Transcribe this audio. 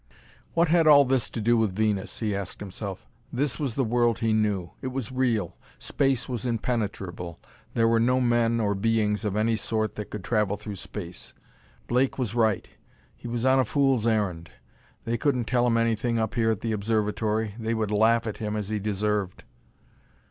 What had all this to do with Venus? he asked himself. This was the world he knew. It was real; space was impenetrable; there were no men or beings of any sort that could travel through space. Blake was right: he was on a fool's errand. They couldn't tell him anything up here at the observatory; they would laugh at him as he deserved....